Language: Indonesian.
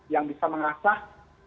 yang bisa mengasah